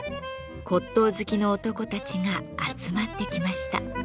骨とう好きの男たちが集まってきました。